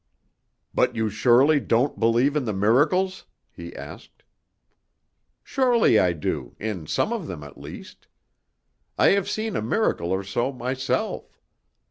"But you surely don't believe in the miracles?" he asked. "Surely I do, in some of them at least. I have seen a miracle or so myself.